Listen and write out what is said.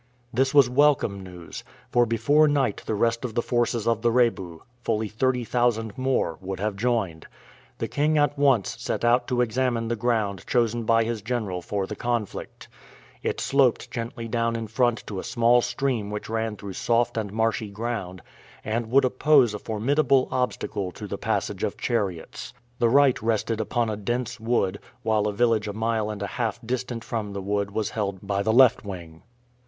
This was welcome news, for before night the rest of the forces of the Rebu, fully thirty thousand more, would have joined. The king at once set out to examine the ground chosen by his general for the conflict. It sloped gently down in front to a small stream which ran through soft and marshy ground, and would oppose a formidable obstacle to the passage of chariots. The right rested upon a dense wood, while a village a mile and a half distant from the wood was held by the left wing.